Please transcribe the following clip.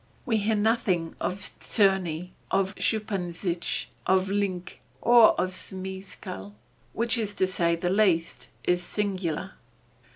We hear nothing of Czerny, of Schuppanzich, of Linke, or of Zmeskall, which to say the least, is singular.